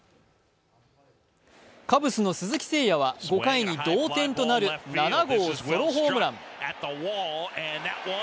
カブスの鈴木誠也は５回に同点となる７号ソロホームラン。